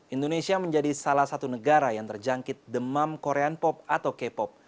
indonesia menjadi salah satu negara yang terjangkit demam korean pop atau k pop